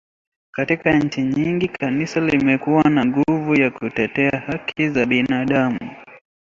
Katika nchi nyingi Kanisa limekuwa na nguvu ya kutetea haki za binadamu